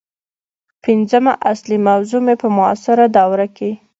پنځمه اصلي موضوع مې په معاصره دوره کې